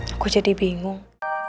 aku jadi bingung